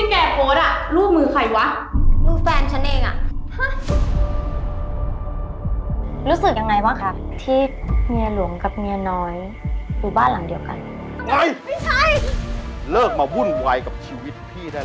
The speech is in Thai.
ทั้งหมดทั้งเลยที่พี่มีเมียแล้วและมาคบกับนิส